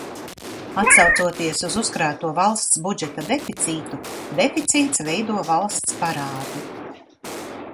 Atsaucoties uz uzkrāto valsts budžeta deficītu, deficīts veido valsts parādu.